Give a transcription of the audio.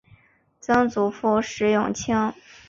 曾祖父石永清。